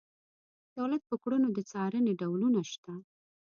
دولت په کړنو د څارنې ډولونه شته.